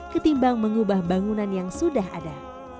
ketimbang mengubah bangunan yang sudah ada